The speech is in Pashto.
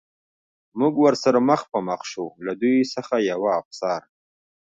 موږ ورسره مخ په مخ شو، له دوی څخه یوه افسر.